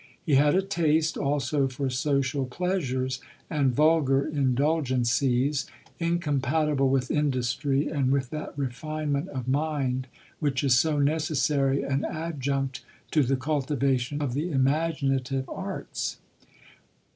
He had a taste also for social pleasures and vulgar indulgences, incompatible with industry and with that refinement of mind which is so necessary an adjunct to the cultivation of the imaginative arts.